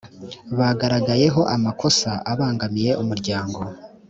bagaragayehoa makosa abangamiye umuryango